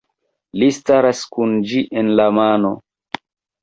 Li staras kun ĝi en la mano.